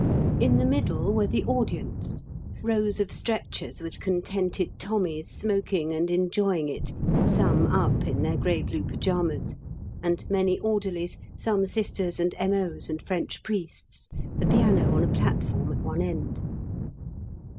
In the middle were the audience rows of stretchers with contented Tommies smoking and enjoying it (some up in their grey blue pyjamas), and many Orderlies, some Sisters and M.O.'s and French priests; the piano on a platform at one end.